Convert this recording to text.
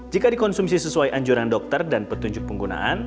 jika dikonsumsi sesuai anjuran dokter dan petunjuk penggunaan